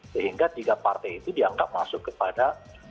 sehingga tiga partai itu dianggap masuk kepada